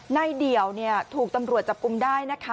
ในเดี่ยวเนี่ยถูกตำรวจจับกุมได้นะคะ